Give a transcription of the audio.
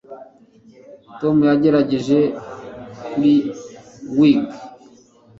Tom yagerageje kuri wig